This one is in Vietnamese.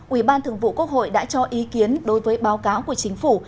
ủy ban thường vụ quốc hội đã cho ý kiến đối với báo cáo của chính phủ